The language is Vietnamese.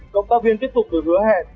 công tác viên tiếp tục được hứa hẹn